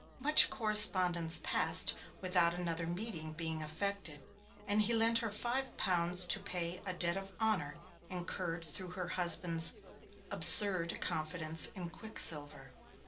Much correspondence passed without another meeting being effected, and he lent her five pounds to pay a debt of honour incurred through her husband's 'absurd confidence in Quicksilver'.